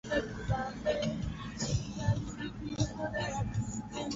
Maziwa kuwa majimaji na yenye harufu mbaya